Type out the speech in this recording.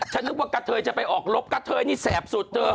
นึกว่ากะเทยจะไปออกรบกะเทยนี่แสบสุดเธอ